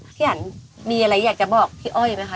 พี่อันมีอะไรอยากจะบอกพี่อ้อยไหมคะ